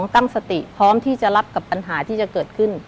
ตั้งสติพร้อมที่จะรับกับปัญหาที่จะเกิดขึ้น